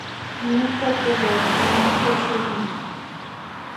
Ñuka tikrarkani tushuyma